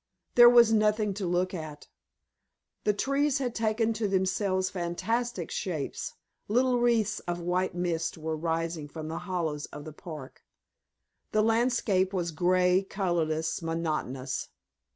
There was nothing to look at. The trees had taken to themselves fantastic shapes, little wreaths of white mist were rising from the hollows of the park. The landscape was grey, colorless, monotonous.